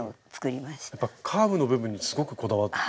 カーブの部分にすごくこだわって。